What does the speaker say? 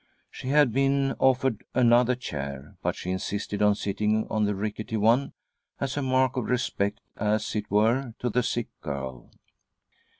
She had been offered another chair, but she insisted on sitting on the rickety one — as a mark of respect, as. it were, to the sick girl.